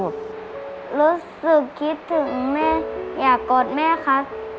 รู้สึกคิดถึงแม่อยากกอดแม่ครับ